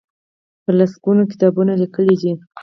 په لس ګونو کتابونه لیکلي دي.